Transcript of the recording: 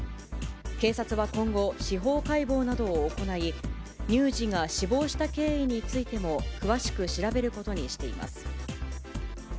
警察は今後、司法解剖などを行い、乳児が死亡した経緯についても詳しく調べることにしています。